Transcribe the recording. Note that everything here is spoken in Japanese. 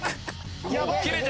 やばい！